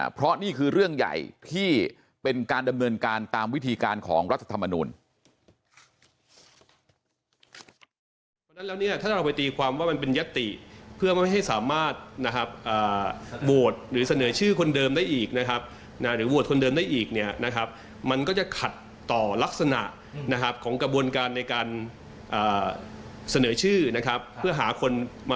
เพราะนี่คือเรื่องใหญ่ที่เป็นการดำเนินการตามวิธีการของรัฐธรรมนูล